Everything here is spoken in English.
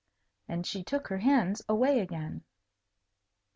And she took her hands away again.